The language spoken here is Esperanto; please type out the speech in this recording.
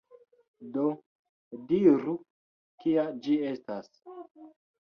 Do, diru, kia ĝi estas?